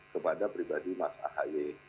kepada pribadi mas ahy